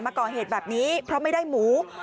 มาก่อเหตุแบบนี้เพราะไม่ได้หมู